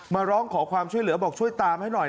มาร้องขอความช่วยเหลือบอกช่วยตามให้หน่อย